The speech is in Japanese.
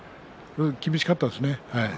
厳しかったですね。